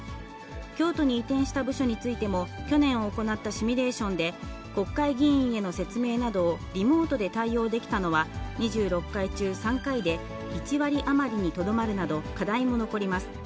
京都に移転した部署についても、去年行ったシミュレーションで、国会議員への説明などをリモートで対応できたのは２６回中３回で、１割余りにとどまるなど、課題も残ります。